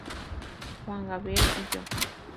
Juan Gabriel y Yo".